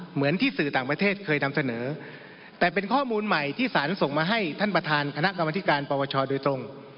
เหมือนที่สื่อต่างประเทศเคยนำเสนอแต่เป็นข้อมูลใหม่ที่สารส่งมาให้ท่านประธานคณะกรรมธิการปวชโดยตรง